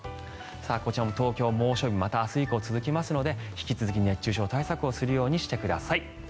こちらも東京、猛暑日がまた明日以降続きますので引き続き、熱中症対策をするようにしてください。